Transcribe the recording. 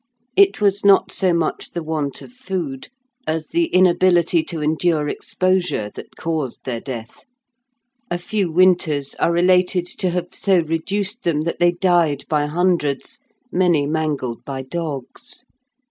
It was not so much the want of food as the inability to endure exposure that caused their death; a few winters are related to have so reduced them that they died by hundreds, many mangled by dogs.